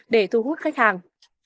để thu hút khách hàng